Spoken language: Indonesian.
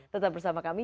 tetap bersama kami